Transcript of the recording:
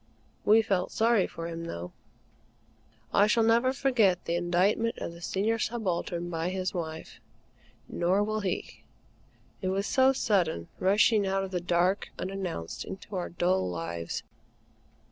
We felt sorry for him, though. I shall never forget the indictment of the Senior Subaltern by his wife. Nor will he. It was so sudden, rushing out of the dark, unannounced, into our dull lives.